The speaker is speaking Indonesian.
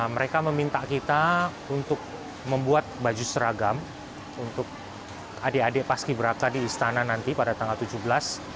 mereka meminta kita untuk membuat baju seragam untuk adik adik paski beraka di istana nanti pada tanggal tujuh belas